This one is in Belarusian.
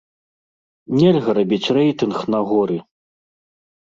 Нельга рабіць рэйтынг на горы.